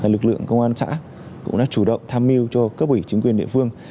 lực lượng công an xã cũng đã chủ động tham mưu cho cấp ủy chính quyền địa phương